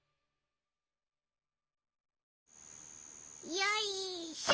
よいしょ。